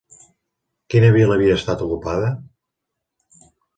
Quina vila havia estat ocupada?